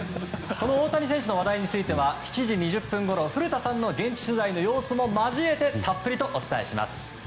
大谷選手の話題については７時２０分ごろ古田さんの現地取材の様子も交えてたっぷりとお伝えします。